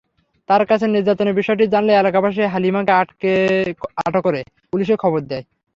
তার কাছে নির্যাতনের বিষয়টি জানলে এলাকাবাসী হালিমাকে আটকে করে পুলিশে খবর দেয়।